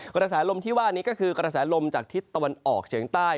กระแสลมที่ว่านี้ก็คือกระแสลมจากทิศตะวันออกเฉียงใต้